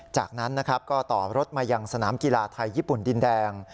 จากนั้นนะครับก็ต่อรถมายังสนามกีฬาไทยญี่ปุ่นดินแดง